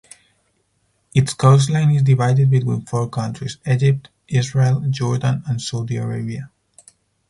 Its coastline is divided between four countries: Egypt, Israel, Jordan, and Saudi Arabia.